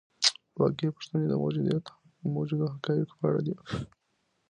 واقعي پوښتنې د موجودو حقایقو په اړه دي.